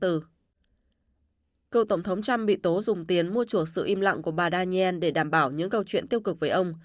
cựu tổng thống trump bị tố dùng tiền mua chùa sự im lặng của bà daniel để đảm bảo những câu chuyện tiêu cực với ông